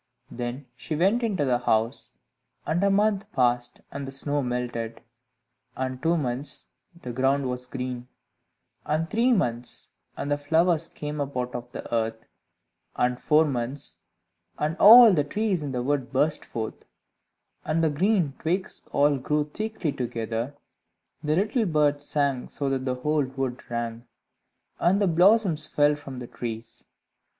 Then she went into the house; and a month passed, and the snow melted; and two months, and the ground was green; and three months, and the flowers came up out of the earth; and four months, and all the trees in the wood burst forth, and the green twigs all grew thickly together; the little birds sang so that the whole wood rang, and the blossoms fell from the trees.